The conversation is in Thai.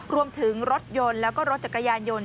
รวมถึงรถยนต์แล้วก็รถจักรยานยนต์